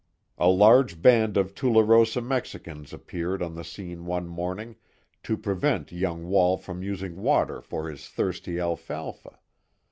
A large band of Tularosa Mexicans appeared on the scene one morning, to prevent young Wall from using water for his thirsty alfalfa.